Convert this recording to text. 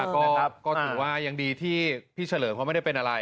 ก็ถือว่ายังดีที่พี่เฉลิมเขาไม่ได้เป็นอะไร